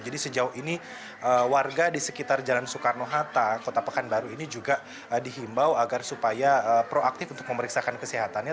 jadi sejauh ini warga di sekitar jalan soekarno hatta kota pekanbaru ini juga dihimbau agar supaya proaktif untuk memeriksakan kesehatannya